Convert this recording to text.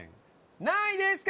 何位ですか？